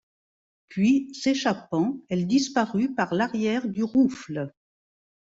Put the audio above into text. Puis, s’échappant, elle disparut par l’arrière du roufle.